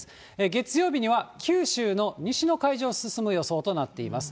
月曜日には九州の西の海上を進む予想となっています。